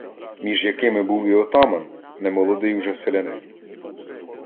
між якими був і отаман, немолодий уже селянин.